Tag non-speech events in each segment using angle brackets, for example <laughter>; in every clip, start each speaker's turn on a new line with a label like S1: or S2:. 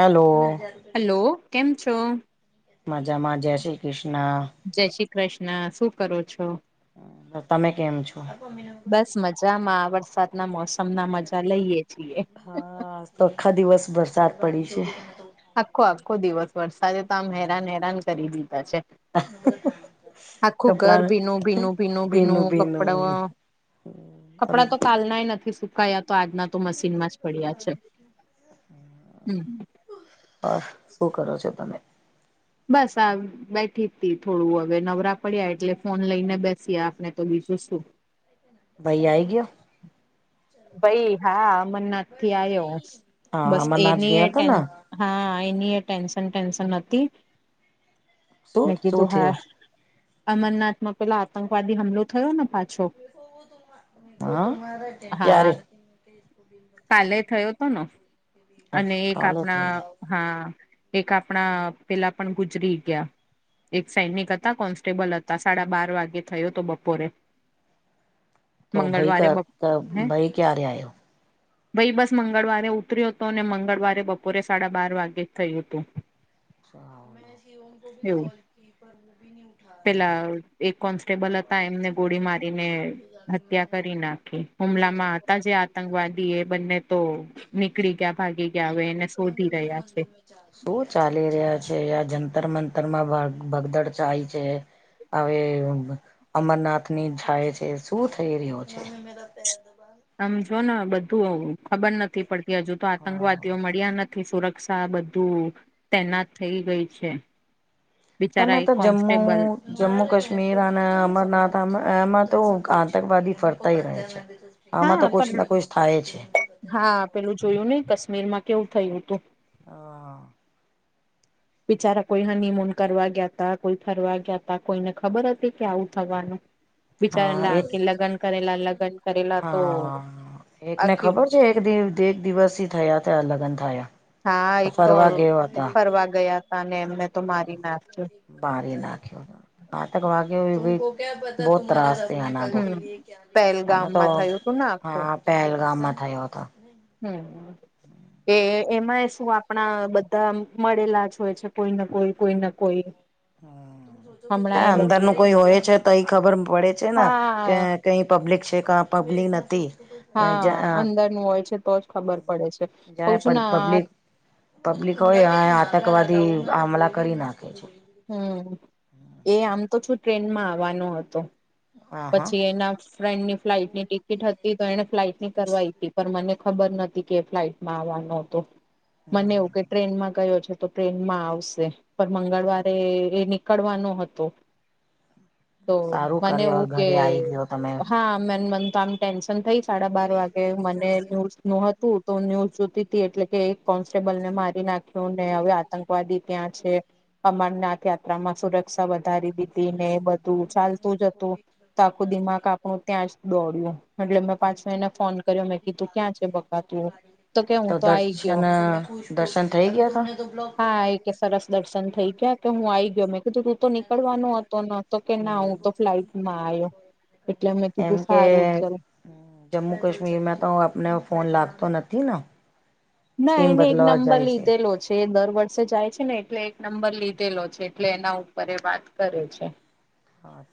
S1: Hello
S2: hello કેમ છો.
S1: મજામાં જય શ્રી કૃષ્ણ.
S2: જય શ્રી કૃષ્ણ શું કરો છો?
S1: તમે કેમ છો?
S2: બસ મજામાં વરસાદના મોસમના મજા લઈએ છીએ.
S1: હા આખા દિવસ વરસાદ પડી છે,
S2: આખો આખો દિવસ વરસાદે તો આમ હેરાન હેરાન કરી દીધા છે. આખું
S1: કપડા
S2: ઘર ભીનું ભીનું ભીનું ભીનું કપડા કપડા તો કાલનાય નથી સુકાયા તો આજના તો મશીનમાં જ પડ્યા
S1: બહાર જ છે હ.
S2: હમ
S1: હા શું કરો છો તમે.
S2: બસ આ બેઠી જ હતી થોડું હવે નવરા પડ્યા એટલે ફોન લઈને બેસયા આપણે તો બીજું શું.
S1: ભાઈ આય ગયો?
S2: ભાઈ હા અમન નથી આયો
S1: હા
S2: બસ
S1: અમરનાથ
S2: એનીય
S1: ગયા હતા
S2: ટેન.
S1: ને
S2: હા એનીય ટેન્શન ટેન્શન હતી.
S1: શું
S2: મેં
S1: શું
S2: કીધું હા
S1: થયું
S2: અમરનાથમાં પેલા આતંકવાદી હુમલો થયો ને પાછો.
S1: હા.
S2: હા
S1: ક્યારે
S2: કાલે થયો હતો નો અને એક
S1: કાલે
S2: આપણા
S1: થયું.
S2: હા એક આપણા પેલા પણ ગુજરી ગયા. એક સૈનિક હતા કોન્સ્ટેબલ હતા સાડા બાર વાગ્યે થયો હતો બપોરે
S1: ભાઈ ક
S2: મંગળવારે બપ.
S1: તો ભાઈ ક્યારે આયો?
S2: <unintelligible> ભાઈ બસ મંગળવારે ઉતર્યો હતો અને મંગળવારે બપોરે સાડા બાર વાગે જ થયું હતું.
S1: હ મે સમ ભી
S2: એવું
S1: ગલ પરી.
S2: પેલા એક કોન્સ્ટેબલ હતા એમને ગોળી મારીને હત્યા કરી નાખી. હુમલામાં હતા જે આતંકવાદી એ બંને તો નીકળી ગયા ભાગી ગયા. હવે એને શોધી રહ્યા છે.
S1: શું ચાલી રહ્યા છે આ જંતરમંતરમાં ભગદડ ચાય છે. હવે અમરનાથની થાય છે શું થઈ રહ્યો છે.
S2: સમજોને બધું આવુ ખબર નથી પડતી હજુ તો આતંકવાદીઓ મળ્યા નથી. કે સુરક્ષા બધું તૈનાત થઈ ગઈ છે.
S1: તમે
S2: બિચારા
S1: તો
S2: એક
S1: જમ્મુ
S2: કોન્સ્ટેબલ
S1: જમ્મુ કાશ્મીર અને અમરનાથ એમાં તો આતંકવાદી ફરતાય રહે છે. આમાં તો
S2: હા
S1: કોછ
S2: પણ
S1: ના કોઈ થાય છે.
S2: હા પેલું જોયું ને કાશ્મીર માં કેવું થયું હતું.
S1: હા.
S2: બિચારા કોઈ હનીમૂન કરવા ગયાતા કોઈ ફરવા ગયાતા કોઈને ખબર હતી કે આવું થવાનું. બિચારા
S1: હા
S2: રાખ
S1: એક
S2: કે લગ્ન કરેલા લગ્ન કરેલા તો
S1: હા એકને
S2: આખી
S1: ખબર છે એક દિવ દિવસથી થયાતા લગન થયા.
S2: હા એક તો
S1: ફરવા ગયો હતા
S2: ફરવા ગયા હતા અને એમને તો મારી નાખયો.
S1: બાર નાખ્યો આતક વાગીયો બો ત્રાસ
S2: હમ
S1: તો
S2: પહેલગામમાં થયું તું ને આખું
S1: હા પહેલગામમાં થયો હતો.
S2: હમ એ એમાં શું આપણા બધા મળેલા જ હોય છે કોઈને કોઈ કોઈ ના કોઈ હમણાં
S1: હા
S2: એ
S1: અંદર ન
S2: બધું
S1: કોઈ હોય છે તો એઈ ખબર પડે છે ને
S2: હા
S1: કે કંઈ પબ્લિક છે કા પબ્લિક નથીતી.
S2: હા અંદરનું હોય છે તો જ ખબર પડે છે. કઉ
S1: જાય
S2: છું ના
S1: પબ્લિક પબ્લિક હોય અ આતંકવાદી હમલા કરી નાખે છે.
S2: હમ એ આમ તો શું ટ્રેનમાં આવવાનો હતો.
S1: હા હા
S2: પછી એના ફ્રેન્ડની ફ્લાઇટ ની ટિકિટ હતી તો એને ફ્લાઇટ ની કરવાઈ હતી પણ મને ખબર નતી કે ફ્લાઈટમાં આવવાનો હતો. મને એવું કે ટ્રેનમાં ગયો છે. તો ટ્રેનમાં આવશે પણ મંગળવારે એ નીકળવાનો હતો. તો
S1: સારું
S2: મને
S1: કર્યો
S2: એવું કે
S1: ઘરે આવી ગયો તમે
S2: હા મન મન તો આમ ટેન્શન થઈ સાડા બાર વાગે મને ન્યૂઝ નું હતું તો ન્યૂઝ જોતી હતી એટલે કે એક કોન્સ્ટેબલ ને મારી નાખ્યું ને હવે આતંકવાદી ત્યાં છે અમરનાથ માં સુરક્ષા વધારી દીધી ને બધું ચાલતું જ હતું. તો આખું દિમાગ આપણું ત્યાં જ દોડ્યું. એટલે મેં પાછું એને ફોન કર્યો મે કે તું ક્યાં છે બકાતું તો કે હું તો આઈ ગયો.
S1: દર્શન થઈ ગયા તા?
S2: હા એ કે સરસ દર્શન થઈ ગયા કે હું આવી ગયો મેં કીધું તું તો નીકળવાનું હતો તો નોતો કે ના
S1: હમ
S2: હું તો ફ્લાઈટ માં આવ્યો એટલે મે
S1: એમ
S2: કીધું
S1: કે
S2: સારું ચ
S1: જમ્મુ કશ્મીર તો આપને ફોન લાગતો નથી?
S2: ના
S1: સીમ
S2: એને એક
S1: બદલાવા
S2: નંબર
S1: જાય
S2: લીધેલો છે. જે દર વર્ષે જાય છે ને એટલે એક નંબર લીધેલો છે એટલે એના ઉપર એ વાત કરે છે.
S1: હા.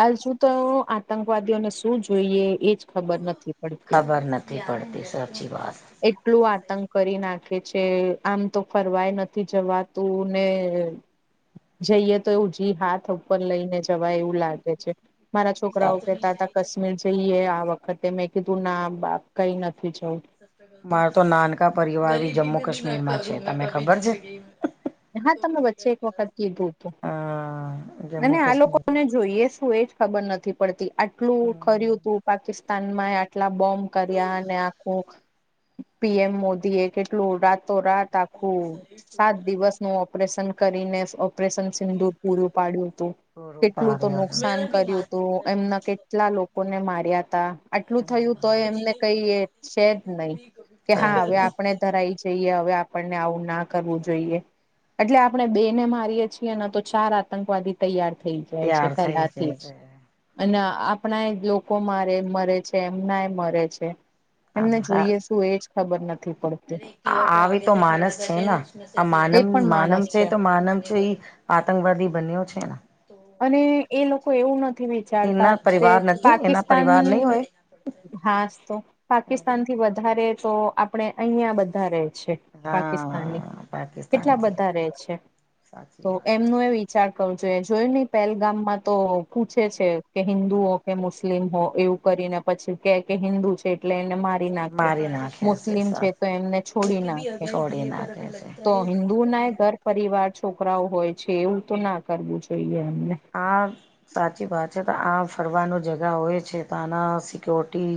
S2: હજુ તો આતંકવાદીઓને શું જોઈએ એજ ખબર નથી. પડતી
S1: ખબર નથી પડતી સાચી વાત.
S2: એટલું આતંક કરી નાખે છે આમ તો ફરવાય નથી જવાતું ને જઈએ તો એવુ જ <unintelligible> હાથ ઉપર લઈને જ એવું લાગે છે મારા છોકરા કેતા કાશ્મીર જઈએ આ વખતે મેં કીધું ના બા કઈ નથી જઉં.
S1: મારો તો નાનકા પરિવાર જમ્મુ કાશ્મીરમાં છે તને ખબર છે.
S2: હા તમે વચ્ચે એક વખત કીધું હતું
S1: હા.
S2: અને આ લોકોને જોઈએ શું એજ ખબર નથી પડતી આટલું ખર્યું
S1: હમ
S2: તું પાકિસ્તાન આટલા બોમ્બ કર્યા અને આખું પીએમ મોદી એ કે કેટલું રાતો રાત આખું સાત દિવસ નું ઓપરેશન કરીને ઓપરેશન સિંદુર પુરૂં પાડ્યું હતું. કેટલું તો નુકસાન કર્યું તું એમના કેટલા લોકોને માર્યાતા. આટલું થયું તો એમને કઈ છે જ નહી કે હા હવે આપણે ધરાઈ જઈએ હવે આપ આપને આવું ના કરવું જોઈએ એટલે આપણે બે ને મારીએ છીએને તો ચાર આતંકવાદી તૈયાર થઈ જાય છે
S1: તૈયાર થઈ
S2: પેલાથી
S1: જાય
S2: જ.
S1: છે
S2: અને આપણાય લોકો મારે મરે છે એમનાય મરે છે. એમને જોઈએ શું એજ ખબર નથી. પડતી
S1: આવી તો માનસ છે ને. આ
S2: એ
S1: માનવ
S2: પણ
S1: માનવ
S2: માણસ
S1: છે તો માનવ છે એ આતંકવાદી બન્યો છે.
S2: અને એ લોકો એવું નથી વિચારતા
S1: એના
S2: કે
S1: પરિવાર નથી એના
S2: પાકિસ્તાન
S1: પરિવાર નહી હોય
S2: હાસ તો પાકિસ્તાન થી વધારે તો આપડે અહીંયા બધા રહે છે. પાકિસ્તાની
S1: હા પાકિસ્તાન
S2: કેટલા
S1: છે
S2: બધા રે છે
S1: સાચી
S2: તો
S1: વાત
S2: એમનું એવી વિચાર કરવું જોઈએ જોયું નહી પહેલગામમાં તો પુંછે છે કે હિન્દુ હો કે મુસ્લિમ હો એવું કરીને પછી કે હિન્દુ છે એટલે એને મારી નાખે
S1: મારી નાખ્યા
S2: મુસ્લિમ છે
S1: સાચ
S2: તો એમને છોડી નાખે.
S1: દિલે પર અભી
S2: તો હિન્દુ ના ઘર પરિવાર છોકરાઓ હોય છે એવું તો ના કરવું જોઈએ એમને.
S1: આ સાચી વાત છે તો આ ફરવાનું જગા હોય છે તો આના સિક્યોરિટી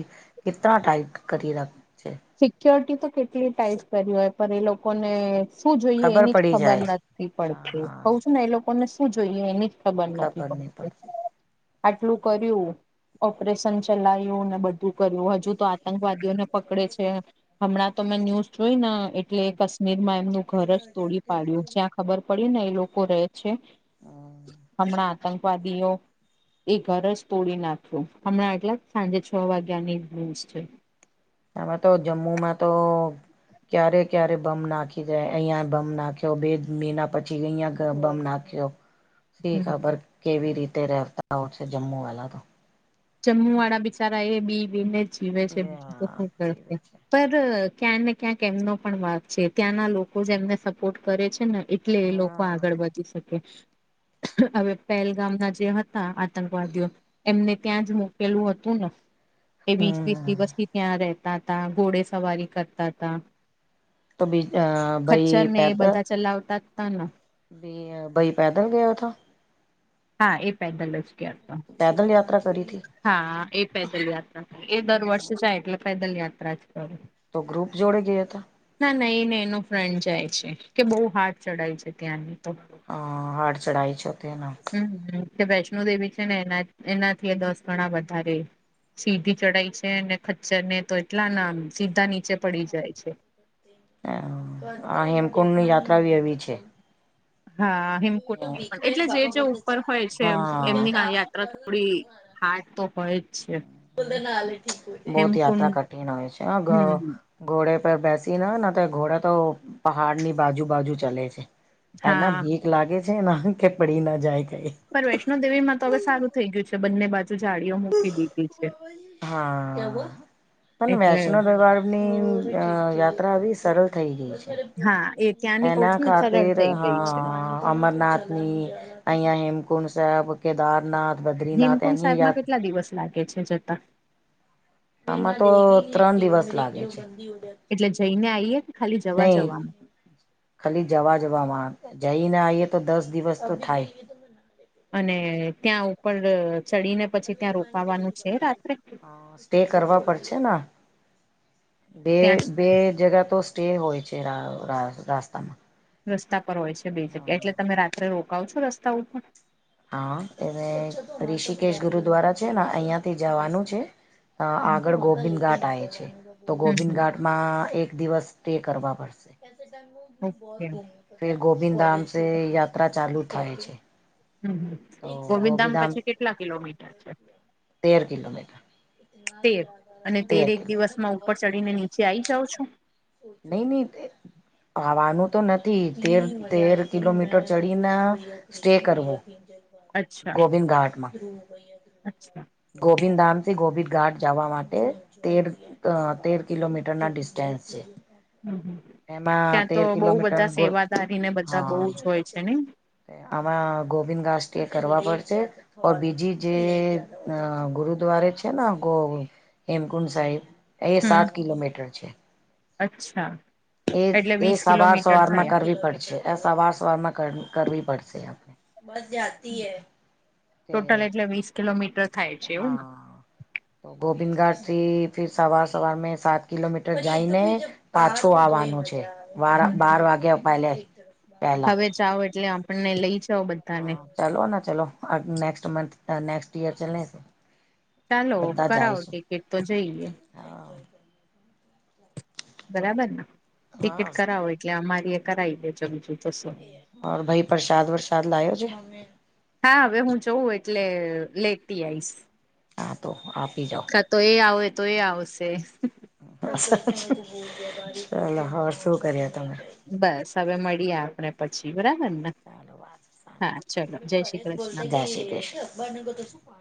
S1: કેટલાં ટાઇટ કરી રાખ
S2: સિક્યોરિટી તો કેટલી ટાઈટ કર હોય પણ એ લોકોને શું જોઈએ
S1: ખબર
S2: એની જ
S1: પડી
S2: ખબર
S1: જાય
S2: નથી. પડતું કહું
S1: હા
S2: છું ને એ લોકોને શું જોઈએ એની જ ખબર નથી પડતી. આટલું કર્યું ઓપરેશન ચલાવ્યું ને બધું કર્યું હજુ તો આતંકવાદીઓ ને પકડે છે હમણાં તો મેં ન્યૂઝ જોય ને એટલે કાશ્મીરમાં એમનું ઘર જ તોડી પાડ્યું જ્યાં ખબર પડી ને એ લોકો રહે છે હમણાં આતંકવાદીઓ એ ઘર જ તોડી નાખ્યું હમણાં એટલા સાંજે છ વાગ્યાનીસ છે
S1: આમાં તો જમ્મુમાં તો ક્યારે ક્યારે બમ નાખી જાય અહિયાં બમ નાખ્યો બે મહિના પછી અહિયા બમ નાખ્યો.
S2: <inaudible>
S1: શી ખબર કેવી રીતે રે છે જમ્મુ વાલા
S2: જમમુ વાળા બિચારા એ બી બેને જીવે છેજ
S1: જીવે છે
S2: ક્યાં ને ક્યાંક એમનો પણ વાાગ છે ત્યાંના લોકો જે એમને સપોર્ટ કરે છે ને એટલે એ લોકો
S1: હા
S2: આગળ વધી શકે. હવે પહેલગામ ના જે હતા આતંકવાદીઓ એમને ત્યાં જ મોકેલું હતું ને એ વીસ વીસ
S1: હમ
S2: દિવસ થી ત્યાં રહેતા હતા ઘોડે સવારી કરતા હતા.
S1: તો બી
S2: ખચ્ચર
S1: ભાઈ
S2: ને એ
S1: પેદા
S2: બધા ચલાવતા જ તાને.
S1: બે ભઈ પેદલ ગયા તા.
S2: હા એ પેદલ જ ગયા તા.
S1: પેદલ યાત્રા કરી હતીથી.
S2: હા એ પેદલ યાત્રા કર એ દર વર્ષે જાય એટલે પેદલ યાત્રા જ કરે.
S1: તો ગ્રુપ જોડે ગયા હતા.
S2: ના નહી એ ને એનો ફ્રેન્ડ જાય છે કે બહુ ફાસ્ટ ચડાય છે ત્યાંની તો
S1: હ હાડ ચઢાઈ છે તેના
S2: હ વૈષ્ણો દેવી છે ને એના એનાથી દસ ગણા વધારે સીધી ચઢાય છે અને ખચ્ચર ને તો એટલા ના સીધા નીચે પડી જાય છે.
S1: હ આ હેમકુંડ ની યાત્રાી એવી છે.
S2: હા હિમકુંડની પણ એટલે જે જે ઉપર હોય છે એમની હ
S1: હા
S2: યાત્રા થોડી હા તો ભય
S1: બહત યાત્રા
S2: હેમકુંડ
S1: કઠિન હોય છે
S2: હમ
S1: ઘોડે પર બેસી નાને તો ઘોડડા તો પહાડની બાજુ બાજુ ચલે છે. એના
S2: હા
S1: બીક લાગે છે ના કે પડી ના જાય કઈ.
S2: પણ વૈષ્ણો દેવીમાં તો હવે સારું થઈ ગયું છે બંને બાજુ જાળીઓ મૂકી દીધી છે.
S1: હા પણ
S2: એટલે
S1: વૈષ્ણોદેવી ની યાત્રા આવી સરળ થઈ ગઈ.
S2: હા એ ત્યાંની કઉ
S1: એના
S2: છું ને સરળ
S1: ખાતર
S2: થઈ ગઈ છે
S1: હા અમરનાથ પછીરઅહીયા હેમકુંડ સાહેબ કેદારનાથ બદ્રીનાથ
S2: હેમકુંડ
S1: એની
S2: સાહેબમાં
S1: યાત
S2: કેટલા દિવસ લાગે છે જતા.
S1: આમાં તો ત્રણ દિવસ લાગે છે
S2: એટલે જઈને આઈએ કે ખાલી જવા
S1: નઈ
S2: જવામાં
S1: ખાલી જવા જવાવામાં આવે જઈને આએ તો દસ દિવસ તો થાય.
S2: અને ત્યાં ઉપર ચડીને પછી ત્યાં રોકાવાનું છે રાત્રે.
S1: તેે કરવા પડશેને બે
S2: ત્યાં
S1: બે જગા તો સ્ટે હોય છે રાસ્તામાં.
S2: રસ્તા પર હોય છે બે જગ્યા એટલે તમે રાત્રે રોકાવ છો રસ્તા ઉપર.
S1: હા એ ઋષિકેશ ગુરુદ્વારા છે ને અહિયાયાથી જવાનું છે. અ આગળ ગોવિંદ ઘાટ આવે છે તો
S2: હમ
S1: ગોવિંદ
S2: હમ
S1: ઘાટ માં એક દિવસ સે સ્ટે કરવા પડશે
S2: ઓકે
S1: કરવા.
S2: હમ
S1: ફેર ગોવિંદ ધામ સ યાત્રા ચાલુ થાય છે.
S2: હમ્મ હમ્મ
S1: તો
S2: ગોવિંદધામ
S1: ગોબીધામ
S2: પછી કેટલા કિલોમીટર છે.?
S1: તેર કિલોમીટર
S2: તેર અને તેર એક દિવસમાં ઉપર ચડીને નીચે આઈ જાવુ છુ.
S1: નહી નહી. ખવાનું તો નથી તેર તેર કિલોમીટર ચડીને સ્ટે કરવો
S2: અચ્છા
S1: ગોવિંદ ઘાટમાં.
S2: અચ્છા.
S1: ગોવિંદ ધામથી ગોબિંદ ઘાટ જવા માટે તે તેર તેર કિલોમીટર ના ડિસ્ટન્સ છે.
S2: હમ હમ
S1: એમાં
S2: ત્યાં
S1: તેર
S2: તો બહુ
S1: કિલોમીટર
S2: બધા
S1: ગુર
S2: સેવાદારીને બધા બહુ
S1: હા
S2: જ હોય છે ને
S1: આમાં ગોબિંદ ઘાસ સ્ટે કરવા પડશે. ઓ બીજી જે ગુરુદ્વારે છે ને. જે? હેમકુંડ સાહેબ એ
S2: હમ
S1: સાત કિલોમીટર છે.
S2: અચ્છા.
S1: એ
S2: એટલે
S1: એ
S2: વીસ
S1: સવાર
S2: કિલોમીટર
S1: સવાર માં
S2: થયા
S1: કરવી પડશે. સવાર સવારમાં કરવી પડશે આપણે, બસ જાતી.
S2: ટોટલ એટલે વીસ કિલોમીટર થાય.? છે એવું
S1: હા. તો ગોવિંદ ઘાટથી ફર સવાર સવાર મેં સાત કિલોમીટર જાયને. પાછું આવવાનું છે, વા
S2: ને
S1: બાર વાગ્યા પહલે.
S2: હવે જાઓ એટલે આપણને લઈ જાઓ બધાને.
S1: ચાલો ના ચાલલો નેક્સ્ટ મંથ નેક્સ્ટ યર ચલલે છે.
S2: ચાલો કરાવો ટિકિટ તો જઈએ.
S1: હા
S2: બરાબર ને ટિકિટ
S1: હા
S2: કરાવો એટલે અમારી એ કરાવી દેજો બીજું તો શું
S1: ભાઈ પ્રસાદ વરસાદ લાયો જે.?
S2: હા હવે હું જઉં એટલે લેતી આવીઈશ.
S1: હા તો આપી જાઓ.
S2: ા તો એ આવે તો એ આવશે.
S1: ચલો હોર શું કર્યા તમે.?
S2: બસ હવે મળીએ આપણે પછી બરાબર ને.?
S1: ચાલો વાત
S2: હા ચલો જય શ્રીક
S1: જય શ્રી કૃષ્ણ. <unintelligible>